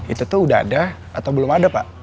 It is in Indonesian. itu tuh udah ada atau belum ada pak